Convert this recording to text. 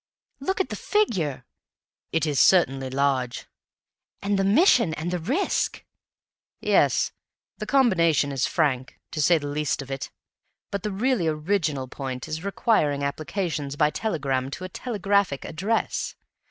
"Look at the figure!" "It is certainly large." "And the mission and the risk!" "Yes; the combination is frank, to say the least of it. But the really original point is requiring applications by telegram to a telegraphic address!